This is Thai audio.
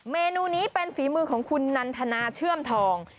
เมนูนี้เป็นฝีมือของคุณนันทนาเชื่อมทอง